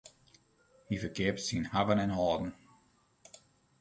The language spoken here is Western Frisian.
Hy ferkeapet syn hawwen en hâlden.